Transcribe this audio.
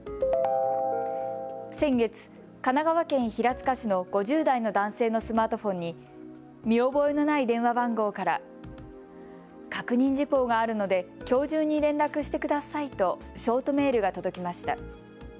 先月、神奈川県平塚市の５０代の男性のスマートフォンに見覚えのない電話番号から確認事項があるのできょう中に連絡してくださいとショートメールが届きました。